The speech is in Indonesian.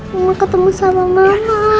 mama ketemu sama mama